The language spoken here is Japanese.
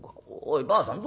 おいばあさん